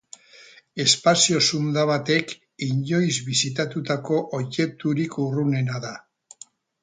Espazio zunda batek inoiz bisitatutako objekturik urrunena da.